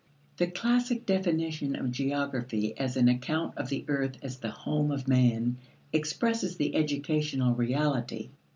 The classic definition of geography as an account of the earth as the home of man expresses the educational reality.